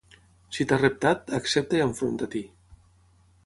Si t'ha reptat, accepta i enfronta-t'hi.